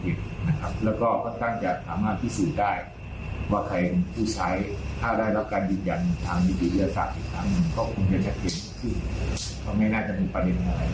ก็คงจะจะเก็บผิดเพราะไม่น่าจะมีประเด็นอะไรมากมาย